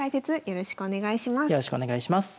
よろしくお願いします。